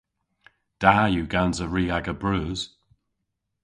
Da yw gansa ri aga breus.